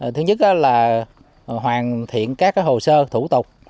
thứ nhất là hoàn thiện các hồ sơ thủ tục